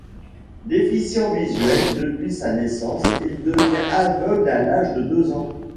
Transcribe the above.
Déficient visuel depuis sa naissance, il devient aveugle à l'âge de deux ans.